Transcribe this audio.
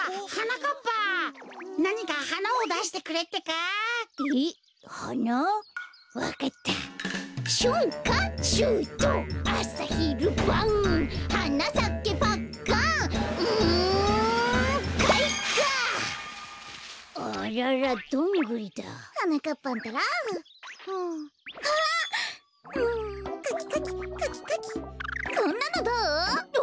こんなのどう？